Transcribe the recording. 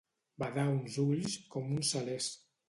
Badar uns ulls com uns salers.